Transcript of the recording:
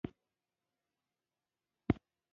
د بنګ حبیب الله زمانه وه او کیسې یې وې.